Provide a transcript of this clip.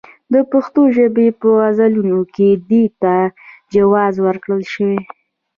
د پښتو ژبې په غزلونو کې دې ته جواز ورکړل شوی.